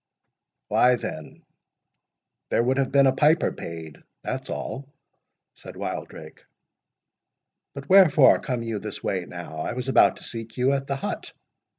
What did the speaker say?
"Why, there would have been a piper paid—that's all," said Wildrake. "But wherefore come you this way now? I was about to seek you at the hut."